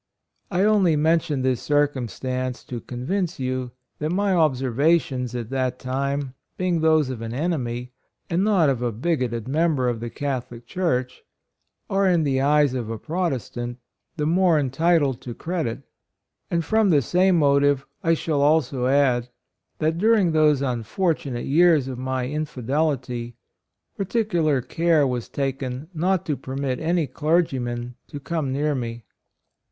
I only men tion this circumstance to convince you that my observations at that time being those of an enemy, and not of a bigoted member of the Catholic Church, are, in the eyes of HIS BIKTH, EDUCATION. 29 a Protestant, the more entitled to credit ; and from the same motive, I shall also add, that during those unfortunate years of my infidelity, particular care was taken not to permit any clergyman to come near me.